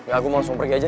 ga gua langsung pergi aja